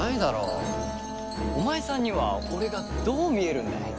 お前さんには俺がどう見えるんだい？